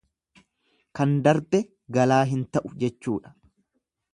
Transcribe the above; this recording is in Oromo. Kan darbe galaa hin ta'u jechuudha.